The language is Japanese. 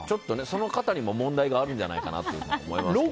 その方にも問題があるんじゃないかなと思いますね。